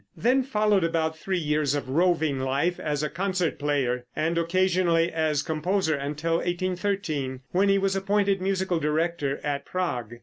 Then followed about three years of roving life as a concert player and occasionally as composer, until 1813, when he was appointed musical director at Prague.